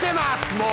もう！